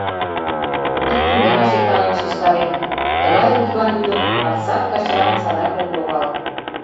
Иктым гына шекланен шижтарем: тыгай ужган ӱдыр Карсак качылан садак ок логал.